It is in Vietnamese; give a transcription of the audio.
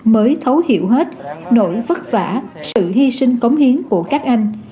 mới thấu hiểu hết nỗi vất vả sự hy sinh cống hiến của các anh